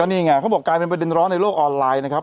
นี่ไงเขาบอกกลายเป็นประเด็นร้อนในโลกออนไลน์นะครับ